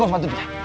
gua bantu dia